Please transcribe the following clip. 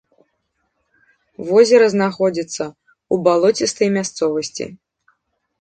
Возера знаходзіцца ў балоцістай мясцовасці.